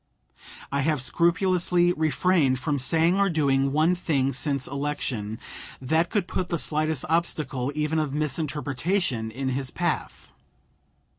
I have scrupulously refrained from saying or doing one thing since election that could put the slightest obstacle, even of misinterpretation, in his path.